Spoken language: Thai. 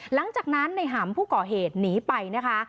หลังจากนั้นในหำผู้ก่อเหตุหนีไปนะคะ